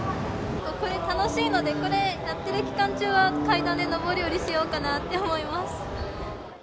これ、楽しいので、これ、鳴ってる期間中は、階段で上り下りしようかなって思います。